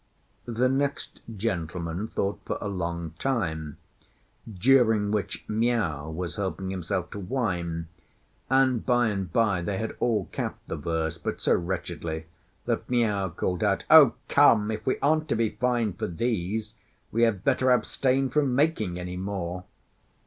The next gentleman thought for a long time, during which Miao was helping himself to wine; and by and by they had all capped the verse, but so wretchedly that Miao called out, "Oh, come! if we aren't to be fined for these, we had better abstain from making any more."